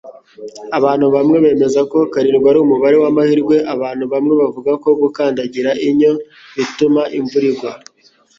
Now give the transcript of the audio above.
Abantu bamwe bemeza ko barindwi ari umubare wamahirwe. Abantu bamwe bavuga ko gukandagira inyo bituma imvura igwa.